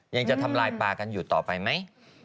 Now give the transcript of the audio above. ยังจะทำลายปลากันอยู่ต่อไปไหม